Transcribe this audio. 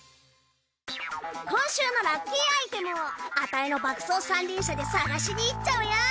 今週のラッキーアイテムをアタイの爆走三輪車で探しにいっちゃうよ！